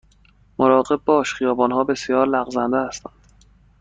مراقب باش، خیابان ها بسیار لغزنده هستند.